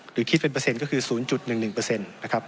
หรือคิดเป็นเปอร์เซ็นต์ก็คือ๐๑๑เปอร์เซ็นต์นะครับ